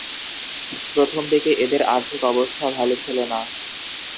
প্রথমদিকে এঁদের আর্থিক অবস্থা ভালো ছিল না।